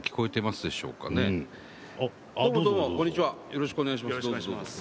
よろしくお願いします。